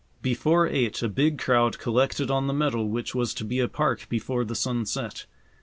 Before eight a big crowd collected on the meadow which was to be a park before the sun set.